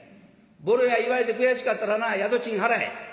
ぼろや言われて悔しかったらな宿賃払え」。